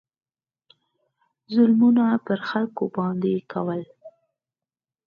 ظلمونه به پر خلکو باندې کول.